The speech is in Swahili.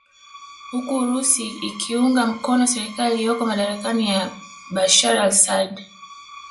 Huku Urusi ikiunga mkono serikali iliyoko madarakani ya Bashar Al Assad